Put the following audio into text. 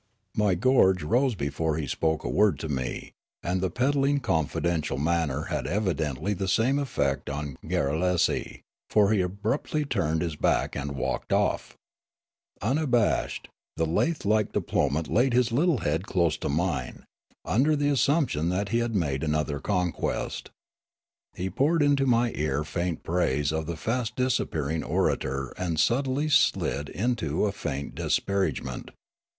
My gorge rose before he spoke a word to me, and the peddlingly confidential manner had evidently the same effect on Garrulesi, for he abruptly turned his back and walked off. Unabashed, the lath like diplomat laid his little head close to mine, under the assumption that he had made another conquest. He poured into my ear faint praise of the fast disappearing orator and subtly slid into a faint disparagement.